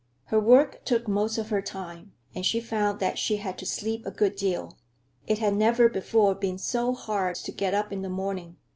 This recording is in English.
Her work took most of her time, and she found that she had to sleep a good deal. It had never before been so hard to get up in the morning.